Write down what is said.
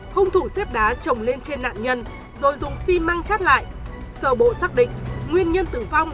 hung thủ xếp đá trồng lên trên nạn nhân rồi dùng xi măng chát lại sở bộ xác định nguyên nhân tử vong